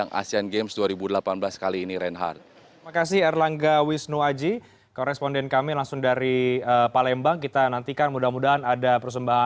namun mereka tetap berjanji untuk dapat berikan target